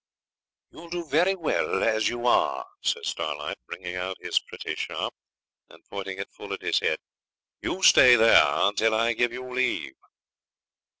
'You'll do very well as you are,' says Starlight, bringing out his pretty sharp, and pointing it full at his head. 'You stay there till I give you leave.'